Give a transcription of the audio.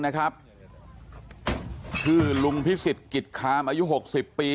นะครับคือลุงพิสิทธิ์กิจคามอายุหกสิบปี